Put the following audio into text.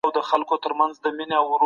ولي صادرات په نړیواله کچه ارزښت لري؟